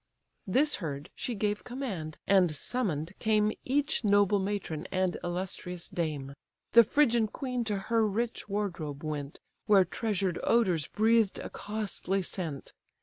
This heard, she gave command: and summon'd came Each noble matron and illustrious dame. The Phrygian queen to her rich wardrobe went, Where treasured odours breathed a costly scent.